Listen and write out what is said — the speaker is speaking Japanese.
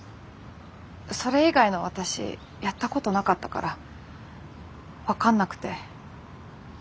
それ以外の私やったことなかったから分かんなくて。